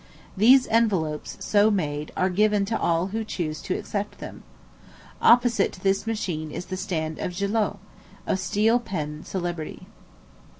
These envelopes, so made, are given to all who choose to accept them. Opposite to this machine is the stand of Gillott, of steel pen celebrity.